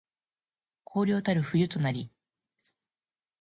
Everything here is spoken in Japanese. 荒涼たる冬となり